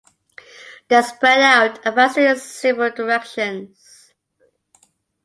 They spread out, advancing in several directions.